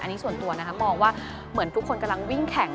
อันนี้ส่วนตัวนะคะมองว่าเหมือนทุกคนกำลังวิ่งแข่ง